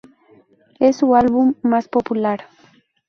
Es su álbum más popular.